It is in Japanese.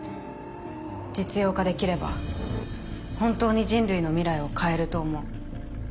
実用化できれば本当に人類の未来を変えると思う。